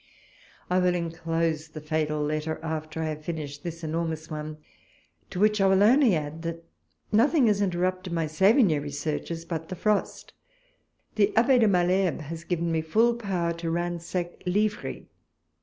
I will enclose the fatal letter after I have finished this enoi'mous one ; to which I will only add, that nothing has inter rupted my Sevigne researches but the frost. The Abbe de Malesherbes has given me full power to ransack Livry.